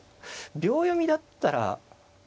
秒読みだったらねえ